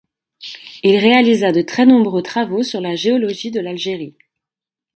Il réalisa de très nombreux travaux sur la géologie de l'Algérie.